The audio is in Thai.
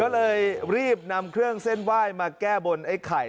ก็เลยรีบนำเครื่องเส้นไหว้มาแก้บนไอ้ไข่